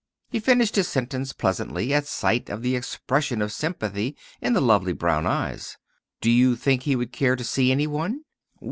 He finished his sentence pleasantly at sight of the expression of sympathy in the lovely brown eyes. "Do you think he would care to see any one?"